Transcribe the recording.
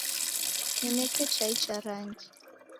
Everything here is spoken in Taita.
Nineke chai cha rangi